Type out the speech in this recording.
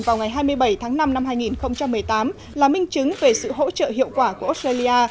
vào ngày hai mươi bảy tháng năm năm hai nghìn một mươi tám là minh chứng về sự hỗ trợ hiệu quả của australia